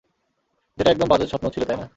যেটা একদম বাজে সপ্ন ছিল তাইনা।